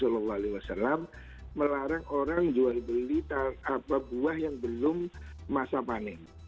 dulu rasulullah saw melarang orang jual beli apa buah yang belum masa panen